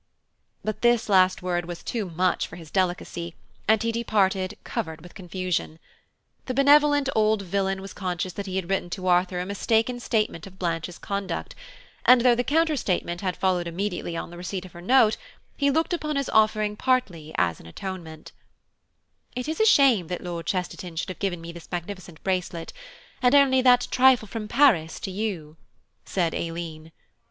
But this last word was too much for his delicacy, and he departed covered with confusion. The benevolent old villain was conscious that he had written to Arthur a mistaken statement of Blanche's conduct, and though the counter statement had followed immediately on the receipt of her note he looked upon his offering partly as an atonement "It is a shame that Lord Chesterton should have given me this magnificent bracelet, and only that 'trifle from Paris' to you," said Aileen.